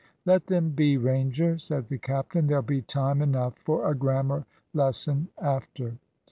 "Let them be, Ranger," said the captain. "There'll be time enough for a grammar lesson after."